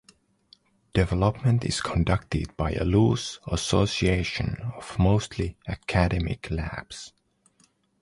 Development is conducted by a loose association of mostly academic labs.